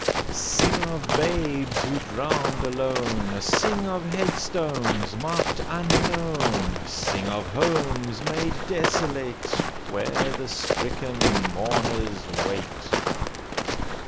Sing of babes who drowned alone; Sing of headstones, marked 'Unknown'; Sing of homes made desolate Where the stricken mourners wait.